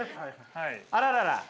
あららら。